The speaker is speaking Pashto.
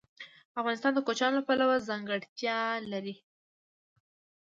افغانستان د کوچیانو له پلوه ځانته ځانګړتیا لري.